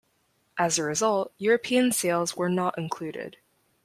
As a result, European sales were not included.